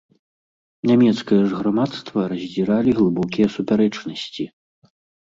Нямецкае ж грамадства раздзіралі глыбокія супярэчнасці.